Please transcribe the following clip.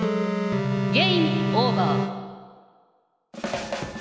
ゲームオーバー。